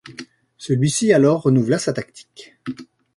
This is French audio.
Celui-ci alors renouvela sa tactique.